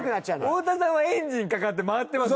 太田さんはエンジンかかって回ってます